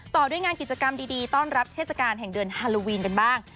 ต่อด้วยงานกิจกรรมดีต้อนรับเทศกาลแห่งเดือนฮาโลวีนกันบ้าง